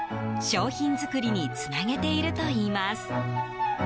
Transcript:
商品づくりにつなげているといいます。